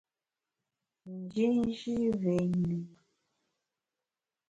Njinji mvé nyü.